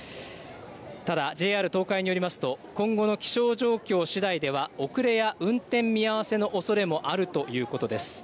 ただＪＲ東海によりますと今後の気象状況しだいでは遅れや運転見合わせのおそれもあるということです。